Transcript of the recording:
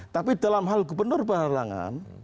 tapi dalam hal gubernur berhalangan